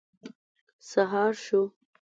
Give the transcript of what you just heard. سهار شو.